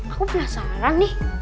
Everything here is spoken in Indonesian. aku penasaran nih